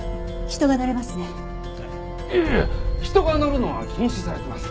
人が乗るのは禁止されてます。